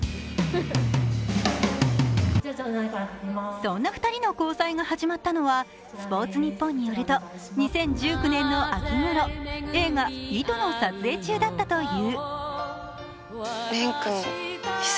そんな２人の交際が始まったのは、スポーツニッポンによると、２０１９年の秋ごろ、映画「糸」の撮影中だったという。